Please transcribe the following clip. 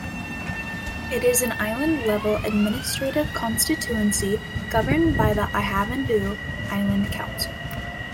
It is an island-level administrative constituency governed by the Ihavandhoo Island Council.